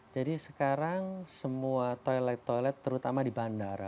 jadi sekarang semua toilet toilet terutama di bandara